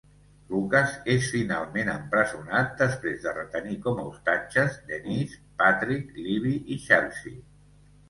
Lucas és finalment empresonat després de retenir com a ostatges Denise, Patrick, Libby i Chelsea.